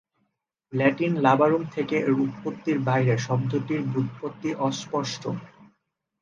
Latin "labarum" থেকে এর উৎপত্তির বাইরে, শব্দটির ব্যুৎপত্তি অস্পষ্ট।